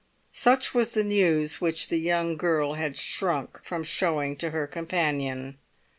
Such was the news which the young girl had shrunk from showing to her companion.